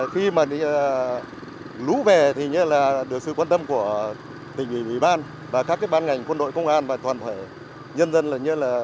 khi mà lũ bẻ thì được sự quan tâm của tỉnh ủy ban và các ban ngành quân đội công an và toàn thể nhân dân